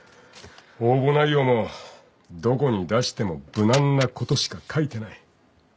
応募内容もどこに出しても無難なことしか書いてない。